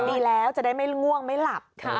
ดีแล้วจะได้ไม่ง่วงไม่หลับ